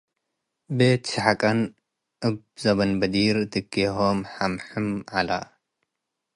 ቤት-ሸሕቀን፤ እብ ዘበን በዲር ድጌሆም ሐምሕም ዐለ ።